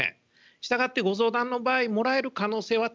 したがってご相談の場合もらえる可能性は高いと考えます。